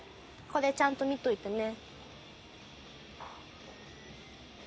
これちゃんと見といてね。